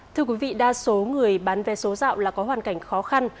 thưa quý vị đa số người bán vé số dạo là có hoàn cảnh khó khăn